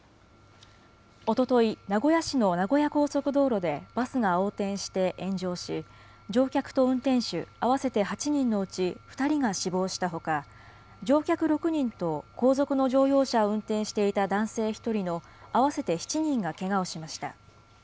おととい、名古屋市の名古屋高速道路でバスが横転して炎上し、乗客と運転手合わせて８人のうち、２人が死亡したほか、乗客６人と後続の乗用車を運転していた男性１人の合わせて７人がけがをしました。